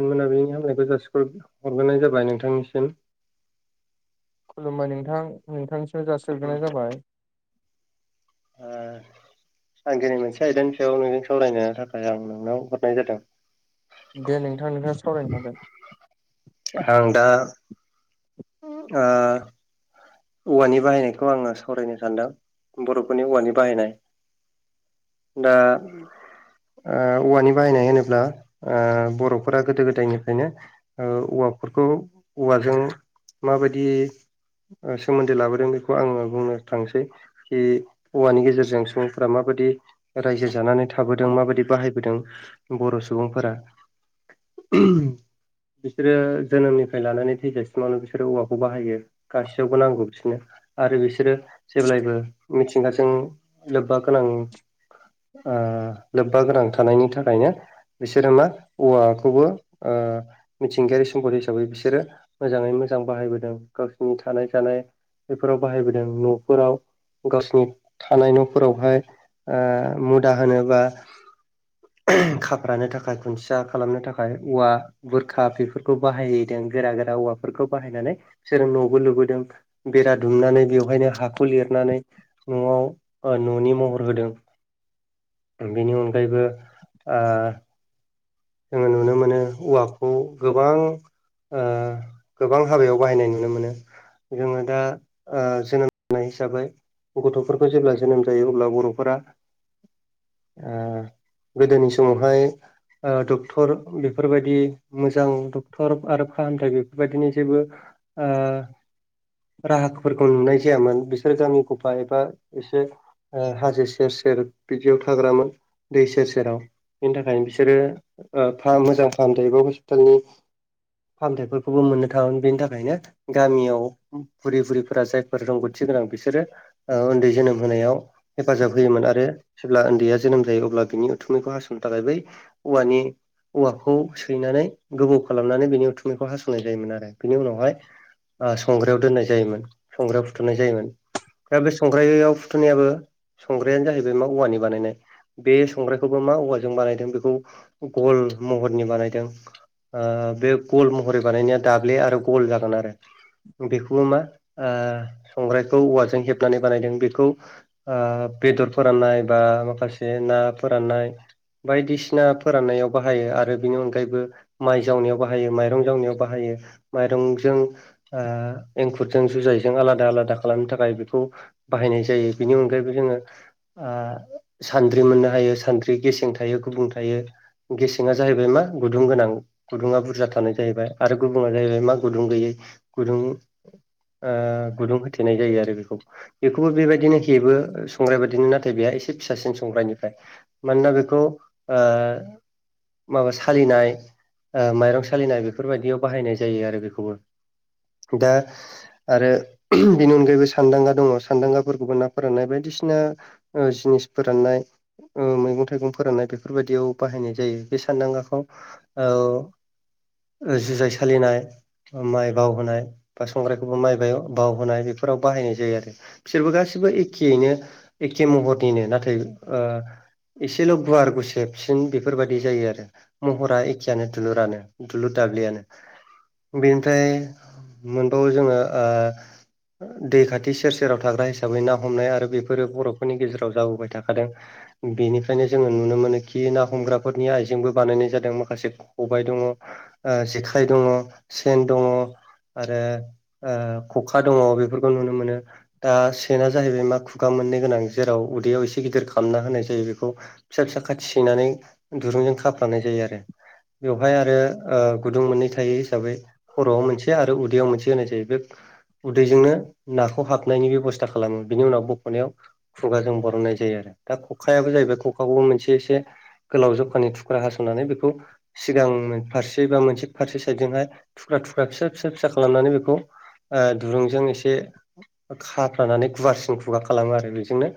गोजोन हामलायनायखौ जासि हरब्रोनाय जाबाय नोंथांनिसिम खुलुमबाय नोंथां नोंथांनिसिम उम जासिहग्रोनाय जाबाय ओ आं दिनै मोनसे आयदानि सायाव नोंजों सावरायनो थाखाय आं नोंनाव हरनाय जादों दे नोंथां नोंथाङा सावरायनो हागोन आं दा ओ औवानि बाहायनायखौ आङो सावरायनो सानदों बर'फोरनि औवानि बाहायनाय दा ओ औवानि बाहायनाय होनोब्ला ओ बर'फोरा गोदो गोदायनिफ्रायनो ओ औवाफोरखौ औवाजों माबायदि सोमोन्दै लाबोदों बेखौ आङो बुंनो थांसै खि औवानि गेजेरजों सुबुंफोरा माबायदि रायजो जानानै थाबोदों माबायदि बाहायबोदों बर' सुबुंफोरा उम बिसोरो जोनोमनिफ्राय लानानै थैजासिमावनो बिसोरो औवाखौ बाहायो गासिबो वबो नांगौ बिसोरनो आरो बिसोरो जेब्लायबो मिथिंगाजों लोब्बा गोनां लोब्बा गोनां थानायनि थाखायनो बिसोरो मा औवाखौबो मिथिंगायारि सम्पद हिसाबै बिसोरो मोजाङै मोजां बाहायबोदों गावसिोरनि थानाय जानाय बेफोराव बाहायबोदों न'फोराव गावसिोरनि थानाय न'फोरावहाय ओ मुदा होनोबा खाफ्र्रानो थाखाय खुन्थिया खालामनो थाखाय औवा बुरखा बेफोरखौ बाहायैदों गोरा गोरा औवाफोरखौ बाहायनानै सोरों न'बो लुबोदों बेरा दुमनानै बेवहायनो हाखौ लिरनानै न'आव न'नि महर होदों बेनि अनगायैबो जोङो नुनो मोनो औवाखौ गोबां गोबां हाबायाव बाहायनाय नुनो मोनो जोङो दा जोनोम जानाय हिसाबै गथ'फोरखौ जेब्ला जोनोम जायो अब्ला बर'फोरा गोदोनि समावहाय डक्टर बेफोरबायदि मोजां डक्टर आरो फाहामथायाइ बेफोरबायदिनो जेबो ओ राहाफोरखौ नुनाय जायामोन बिसोरो गामि गफा एबा एसे हाजो सेर सेर बिदियाव थाग्रामोन दै सेर सेराव बेनि थाखायनो बिसोरो फाहाम मोजां फाहामथायायो बेा हस्पिटालनि फाहामथायाइफोरखौबो मोननो थाङोन बेनि थाखायनो गामियाव बुरै बुरैफोरा जायफोर रोंगौथि गोनां बिसोरो उन्दै जोनोम होनायाव हेफाजाब होयोमोन आरो जेब्ला उन्दैया जोनोम जायो अब्ला बिनि उथुमैखौ हास'नो थाखाय बै औानि औवाखौ सैनानै गोबौ खालामनानै बेनि उथुमैखौ हास'नाय जायोमोन आरो बेनि उनावहाय संग्रायाव दोननाय जायोमोन संग्रायाव फुथुनाय जायोमोन दा बे संग्रायाव फुथुनायाबो संग्रायानो जाहैबाय मा औवानि बानायनाय बे संग्रायखौबो मा औवाजों बानायदों बेखौ गल महरनि बानायदों बे गल महरै बानायनाया दाब्लि आरो गल जागोन आरो बेखौबो मा संग्रायखौ औवाजों हेबनानै बानायदों बेखौ ओ बेदर फोराननाय बा माखासे ना फोराननाय बायदिसिना बिसिना फोराननायाव बाहायो आरो बिनि अनगायैबो माइ जावनायाव बाहायो माइरं जावनायाव बाहायो माइरंजों एंखुरजों जुजायजों आलादा आलादा खालामनो थाखाय बेखौ बाहायनाय जायो बेनि अनगायैबो जोङो सान्द्रि मोननो हायो सान्द्रि गेसें थायो गुबुन थ थायो गेसेंआ जाहैबाय मा गुदुं गोनां गुदुङा बुरजा थानाय जाहैबाय आरो गुबुना जाहैबाय मा गुदुं गैयै गुदुं गुदुं होथेनाय जायो आरो बेखौ बेखौबो बेबायदिनोखिबो संग्राय बादिनो नाथाय बेहा एसे फिसासिन संग्रनिफ्राय मान बेखौ आ माबा सालिनाय माइरं सालिनाय बेफोरबायदियाव बाहायनाय जायो आरो बेखौबो द दा आरो बेनि अनगायैबो सानदांगा दङ सानदांगाफोरखौबो ना फोराननाय बायदिसिना जिनिस फोराननाय मैगं थाइगं फोराननाय बे बेफोरबायदियाव बाहायनाय जायो बे सानदांगाखौ जुजाय सलिनाय माइ बावहोनाय बा संग्रायखौबो माइ बावहोनाय बेफोराव बाहायनाय जायो आरो बिसोरबो गासिबो एखेयैनो एखे महरनिनो नाथाय एसे ल गआ आरो गुसे खबसिन बेफोरबायाददि जायो आरो महरा एखेयानो दुलुरानो दुलुर दाब्लियानो बेनिफ्राय मोनबावो जोङो दै खाथि सेर सेराव थाग्रा हिसाबै ना हमनाय आरो बेफोरो बर'फोरनि गेजेराव जाबोबाय थाखादों बेनिफ्रायनो जोङो नुनो मोनो खि ना हमग्राफोरनि आइजेंबो बानायनाय जादों माखासे खबाइ दङ जेखाइ दङ सेन दङ आरो ख'खा दङ बेफोरखौ नुनो मोनो दा सेना जाहैबाय मा खुगा मोननो गोनां जेराव उदैयाव एसे गिदिर खालामना होनाय जायो बेखौ फिसा फिसा खाथि सैनानै दुरुंजों खाफ्लानाय जायो आरो बेवहाय आरो गुदुं मोननै थायो हिसाबै हर'आव मोनसे आरो उदैयाव मोनसे होननाय जायोै बे उदैजोंनो नाखौ हाबनायनि बेब'स्था खालामो बिनि उनाव बख'नायाव खुगाजों बरननाय जायो आरो दा ख'खायाबो जाहैबाय ख'खाखौ मोनसे एसे एसे गोलाव जखानि थुख्रा हास'नानै बेखौ सिगांनो फारसे बा मोनसे फारसे साइदजोंहाय थुख्रा थुख्रा फिसा फिसा फिसा खालामनानै बेखौ ओ दुरुंजों एसे खाफ्रानानै गुवारसिन खुगा खालामो आरो बेजोंनो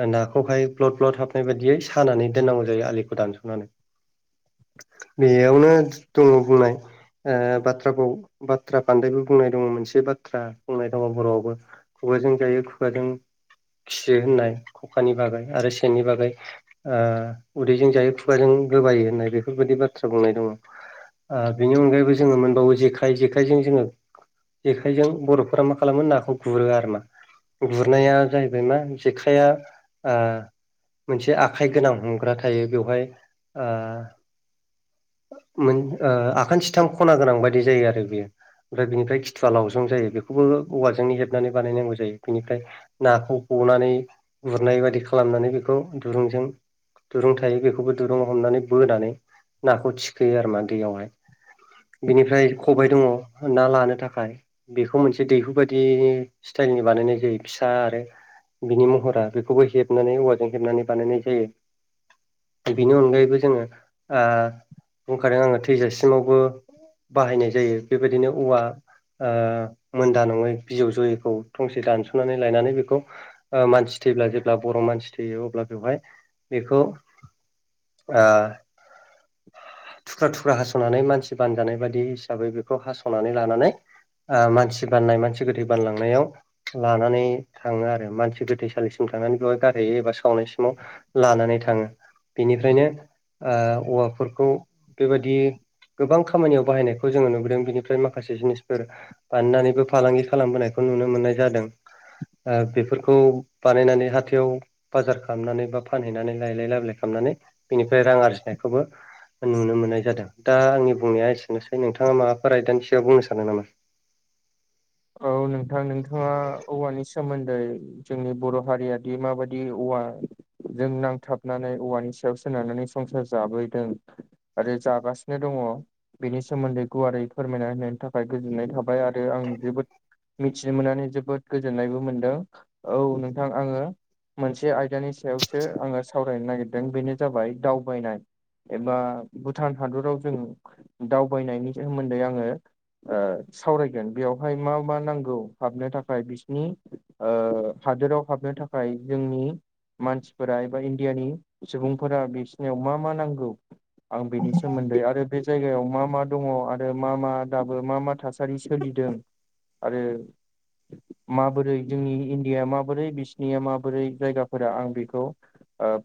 ओ नाखौहाय ब्लद ब्लद हाबनाय बादियै सानानै दोननांगौ जायो आलिखौ दानस'नानै बेयावनो दङ बुंनाय ओ बाथ्रा फाव बाथ्रा फान्दायबो बुंनाय दङ मोनसे बाथ्रा बुंनाय दङ बर'आवबो। खुगाजों जायो खुगाजों खियो होननाय ख'खानि बागै आरो सेननि बागै ओ उदैजों जायो खुगाजों गोबायो होननाय बेफोरबायदि बाथ्रा बुंनाय दङ। ओ बिनि अनगायैबो जोङो मोनबावो जेखाइ जेखाइजों जोङो जेखाइजों बर'फोरा मा खालामो नाखौ गुरो आरोना। गुरनाया जाहैबाय मा जेखाइआ ओ मोनसे आखाइ गोनां हम ग्रा थायो बेवहाय ओ मोन ओ आखान्थिथाम ख'ना गोनां बायदि जायो आरो बेयो। ओमफ्राय बिनिफ्राय खिथुवा लावजं जायो बेखौबो औवाजोंनो हेबनानै बानायनांगौ जायो बिनिफ्राय नाखौ हनानै गुरनाय बादि खालामनानै बेखौ दुरुंजों दुरुं थायो बेखौबो दुरुंङाव हमनानै बोनानै नाखौ थिखोयो आरोमा दैयावहाय। बिनिफ्राय खबाइ दङ ना लानो थाखाय। बेखौ मोनसे दैहु बादि स्टाइलनि बानायनाय जायो फिसा आरो बिनि महरा बेखौबो हेबनानै औवाजों हेबनानै बानायनाय जायो। बिनि अनगायैबो जोङो ओ बुंखादो आङो थैजासिमावबो बाहायनाय जायो बेबायदिनो औवा ओ मोनदा नङै बिजौ जयैखौ थंसे दानस'नानै लायनानै बेखौ ओ मानसि थैब्ला जेब्ला बर' मानसि थैयो अब्ला बेवहाय बेखौ ओ थुख्रा थुख्रा हास'नानै मानसि बानजानाय बादि हिसाबै बेखौ हास'नानै लानानै ओ मानसि बाननाय मानसि गोथै बानलांनायाव लानानै थाङो आरो मानसि गोथैसालिसिम थांनानै बेवहाय गारहैयो एबा सावनायसिमाव लानानै थाङो बेनिफ्रायनो ओ औवाफोरखौ बेबादि गोबां खामानियाव बाहायनायखौ जोङो नुबोदों बिनिफ्राय माखासे जिनिसफोर बाननानैबो फालांगि खालामबोनायखौ नुनो मोननाय जादों। ओ बेफोरखौ बानायनानै हाथायाव बाजार खालामनानै बा फानहैनानै लायलाय लाबोलाय खालामनानै बिनिफ्राय रां आरजिनायखौबो नुनो मोननाय जादों दा आंनि बुंनाया एसेनोसै नोंथाङा माबाफोर आयदानि सिायाव बुंनो सानो नामा? औ नोंथां नोंथाङा औवानि सोमोन्दै जोंनि बर' हारियादि माबादि औवा जों नांथाबनानै औवानि सायाव सोनारनानै संसार जाबोदों आरो जागासिनो दङो बेनि सोमोन्दै गुवारै फोरमायना होनायनि थाखाय गोजोननाय थाबाय आरो आं जोबोद मिथिनो मोननानै जोबोद गोजोननायबो मोनदों औ नोंथां आङो मोनसे आयदानि सायावसो आङो सावरायनो नागिरदों बेनो जाबाय दावबायनाय। एबा भुटान हादराव जों दावबायनायनि सोमोन्दै आङो ओ सावरायगोन बेयाव। फ्राय मा मा नांगौ हाबनो थाखाय बिसनि ओ हादोराव हाबनो थाखाय जोंनि मानसिफोरा एबा इण्डियानि सुबुंफोरा बिसनियाव मा मा नांगौ आं बेनि सोमोन्दै आरो बे जायगायाव मा मा दङो आरो मा मा दाबो मा मा थासारि सोलिदों आरो माबोरै जोंनि इण्डिया माबोरै बिसनिया माबोरै जायगाफोरा आं बेखौ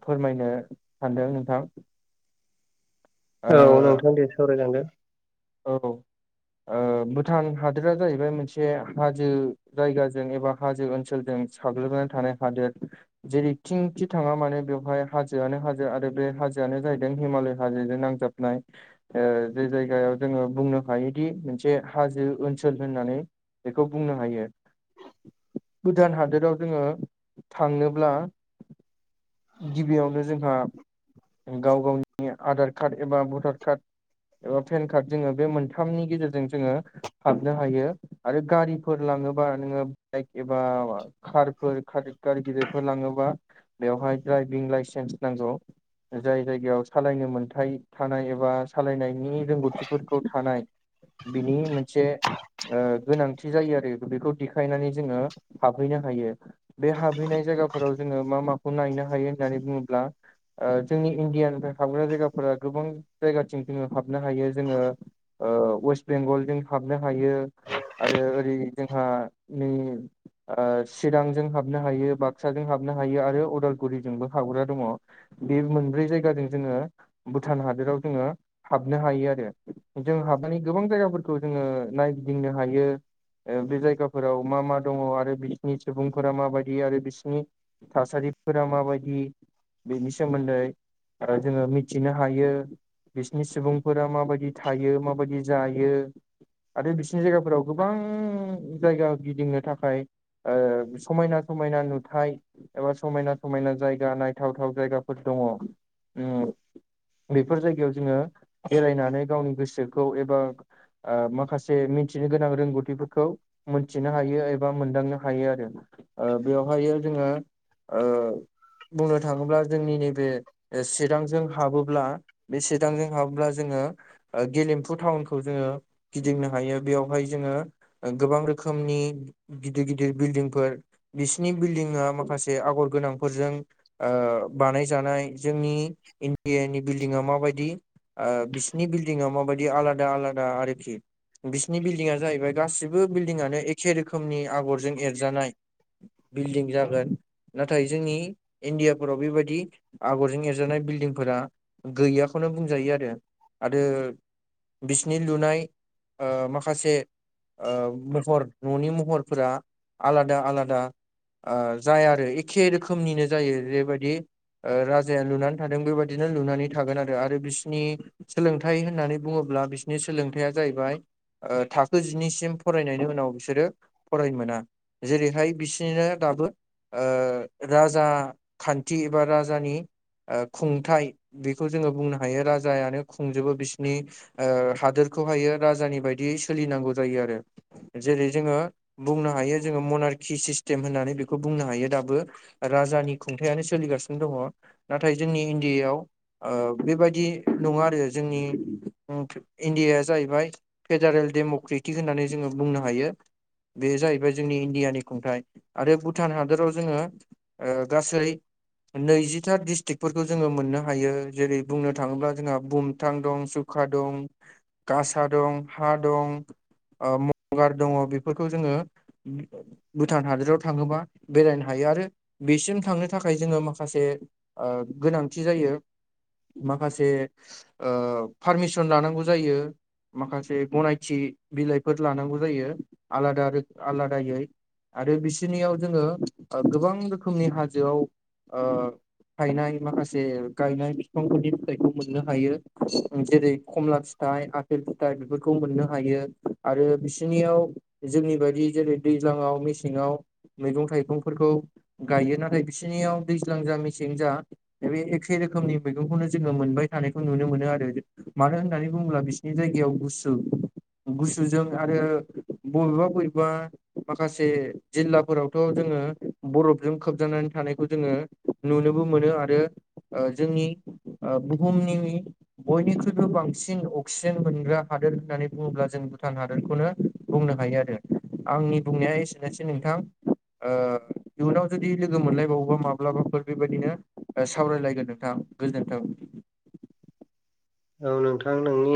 फोरमायनो सानदों नोंथां ओ औ नोंथां दे सावरायलांदो औ भुटान हादोरा जाहैबाय मोनसे हाजो जायगाजों एबा हाजो ओनसोलजों साग्लोबनानै थानाय हादोर जेरै थिंखि थांङा मानो बेवहाय हाजोआनो हाजो आरो बे हाजोआनो जाहैदों हिमालय हाजोजों नांजाब जे जायगायाव जोंङो बुंनो हायोदि मोनसे हाजो ओनसोल होननानै बेखौ बुंनो हायो भुदान हादोराव जोंङो थांनोब्ला गिबियावनो जोंहा गाव गावनि आधार कार्ड एबा भटार कार्ड एबा पेन कार्ड जोंङो बे मोनथामनि गेजेरजों जोंङो हाबनो हायो आरो गारिफोर लांङोबा नोंङो बाइक एबा कारफोर कारि गिदिरफोर लाङोबा बेवहाय दड्राइभिं लाइसेन्स नांगौ जाय जायगायाव सालायनो मोनथाय थानाय एबा सालायनायनि रोंगौथि फोरखौ थानाय बिनि मोनसे गोनांथि जायो आरो बेखौ देखायनानै जोंङो हाबहैनो हायो बे हाबहैनाय जायगाफोराव जोङो मा माखौ नायनो हायो होननानै बुंङोब्ला जोंनि इण्डियानिफ्राय हाबग्रा जायगाफोरा गोबां जायगाथिं जोंङो हाबनो हायो जोङो वेस्ट बेंगलोर हाबनो हायो आरो ओरै जोंहा नै चिरांजों हाबनो हायो बाक्साजों हाबनो हायो आरो अदालगुरिजोंबो हाबग्रा दंङो बे मोनब्रै जायगाजों जोंङो भुटान हादोराव जोंङो हाबनो हायो आरो जों हाबनानै गोबां जायगाफोरखौ जोङो नायगिदिंनो हायो बे जायगाफोराव मा मा दंङो आरो बिसोरनि सुबुंफोरा माबायदि आरो बिसोरनि थासारिफोरा माबायदि बेनि सोमोन्दै जोंङो मिथिनो हायो बिसिनि सुबुंफोरा माबायदि थायो माबायदि जायो आरो बिसिनि जायगाफोराव गोबां जायगा गिदिंनो थाखाय समायना समायना नुथाय एबा समायना समायना जायगा नायथावथाव जायगाफोर दंङो बेफोर जायगायाव जोंङो बेरायनानै गावनि गोसोखौ एबा माखासे मिथिनो गोनां रोंगौथिफोरखौ मोनथिनो हायो एबा मोनदांनो हायो आरो ओ बेवहायो जोङो ओ चिरांजों हाबोब्ला बे चदांजों हाबोब्ला जोङो गेलेम्फु टाउनखौ जोङो गिदिंनो हायो बेयावहाय जोङो गोबां रोखोमनि गिदिर गिदिर बिल्डिंफोर बिसिनि बिल्डिंआ माखासे आगर गोनांफोरजों ओ बानायजानाय जोंनि इण्डियानि बिल्डिं आ माबायदि ओ बिसिनि बिल्डिं आ मा बायदि आलादा आलादा आरोखि बिसिनि बिल्डिं जाहोयबाय गासै- सब बिल्डिंआनो एखे रोखोमनि आगरजों एरजानाय बिल्डिं जागोन नाथाय जोंनि इण्डियाफोराव बेबायाददि आगरजों एरजानाय बिल्डिंफोरा गैयाखौनो बुंजायो आरो आरो बिसिनि लुनाय ओ माखासे ओ महर न'नि महरफोरा आलादा आलादा आ जाया आरो एखे रोखोमनिनो जायो जेबायदि ओ राजाया लुनानै थादों बेबायदिनो लुनानै थागोन आरो आरो बिसिनि सोलोंथाइ होननानै बुङोब्ला बिसिनि सोलोंथाया जाहैबाय ओ थाखो जिनिसिम फरायनायनि उनाव बिसोरो फरायनो मोना जेरैहाय बिसिनिनो दाबो ओ राजा खान्थि एबा राजानि ओ खुंथाइ बेखौ जोङो बुंनो हायो राजायानो खुंजोबो बिसिनि ओ हादोरखौहायो राजानि बायदियै सोलिनांगौ जायो आरो। जेरै- जोङो बुंनो हायो जोङो मनारकि सिस्टेम होननानै बेखौ बुंनो हायो दाबो। राजानि खुंथायानो सोलिगासिनो दङ नाथाय जोंनि इण्डियायाव ओ बेबायदि नङा आरो जोंनि ओम इण्डियाया जाहैबाय फेडारेल डेम'क्रेटिक होननानै जोङो बुंनो हायो। बे जाहैबाय जोंनि इण्डियानि खुंथाइ आरो भुटान हादराव जोङो ओ गासै नैजिथा डिस्ट्रिकफोरखौ जोङो मोननो हायो जेरै- बुंनो थाङोब्ला जोंहा बुमथां दं चुका दं गासा दं हा दं ओ मंगार दङ बेफोरखौ जोङो भुटान हादोराव थाङोबा बेरायनो हायो आरो बेसिम थांनो थाखाय जोङो माखासे ओ गोनांथि जायो माखासे ओ पारमिसन लानांगौ जायो। माखासे गनायथि बिलाइफोर लानांगौ जायो आलादा रो आलादायै आरो बिसोरनियाव जोङो ओ गोबां रोखोमनि हाजोआव ओ हायनाय माखासे गायनाय बिफांफोरनि फिथाइखौ मोननो हायो जेरै- खमला फिथाइ आपेल फिथाइ बेफोरखौ मोननो हायो। आरो बिसिनियाव जोंनि बादि जेरै- दैज्लाङाव मेसेङाव मैगं थाइगंफोरखौ गायो नाथाय बिसोरनियाव दैज्लां जा मेसें जा बे एखे रोखोमनि मैगंखौनो जोङो मोनबाय थानायखौ नुनो मोनो आरो मानो होननानै बुङोब्ला बिसिनि जायगायाव गुसु गुसुजों आरो बबेबा बबेबा माखासे जिल्लाफोरावथ' जोङो बरफजों खोबजानानै थानायखौ जोङो नुनोबो मोनो आरो ओ जोंनि ओ बुहुमनि बयनिख्रुइबो बांसिन अक्सिजेन मोनग्रा हादोर होननानै बुङोब्ला जों भुटान हादोरखौनो बुंनो हायो आरो आंनि बुंनाया एसेनोसै नोंथां। ओ इयुनाव जुदि लोगो मोनलायबावोबा माब्लाबाफोर बेबायदिनो ओ सावरायलायगोन नोंथां गोजोनथों। औ नोंथां नोंनि